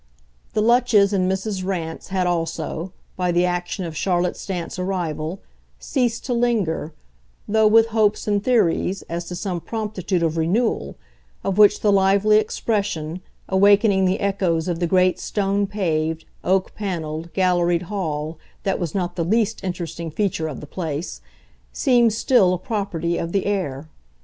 The Lutches and Mrs. Rance had also, by the action of Charlotte Stant's arrival, ceased to linger, though with hopes and theories, as to some promptitude of renewal, of which the lively expression, awakening the echoes of the great stone paved, oak panelled, galleried hall that was not the least interesting feature of the place, seemed still a property of the air.